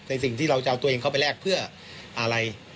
สิ่งที่เราจะเอาตัวเองเข้าไปแลกเพื่ออะไร